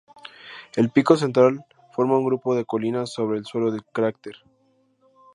El pico central forma un grupo de colinas sobre el suelo del cráter.